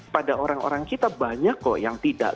pada orang orang kita banyak kok yang tidak